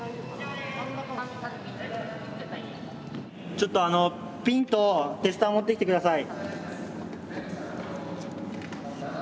ちょっとあのピンとテスター持ってきて下さい。